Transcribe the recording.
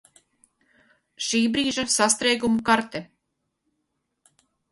Šībrīža sastrēgumu karte